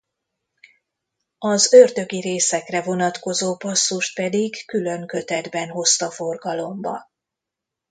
Az ördögi részekre vonatkozó passzust pedig külön kötetben hozta forgalomba.